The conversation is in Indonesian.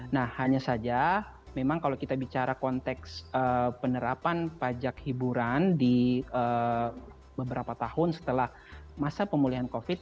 nah hanya saja memang kalau kita bicara konteks penerapan pajak hiburan di beberapa tahun setelah masa pemulihan covid